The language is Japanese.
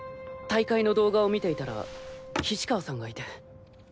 大会の動画を見ていたら菱川さんがいて。